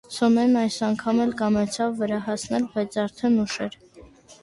Սոնեն այս անգամ էլ կամեցավ վրա հասնել, բայց արդեն ուշ էր.